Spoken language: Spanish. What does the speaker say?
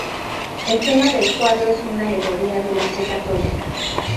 El tema del cuadro es una alegoría de la fe católica.